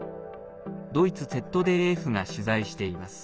ドイツＺＤＦが取材しています。